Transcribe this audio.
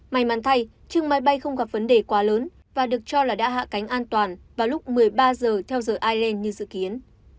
may mắn thay chêng máy bay không gặp vấn đề quá lớn và được cho là đã hạ cánh an toàn vào lúc một mươi ba giờ theo giờ ireland như dự kiến